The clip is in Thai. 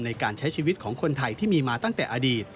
ในการใช้ชีวิตของคนไทยที่มีมาตั้งแต่อดีต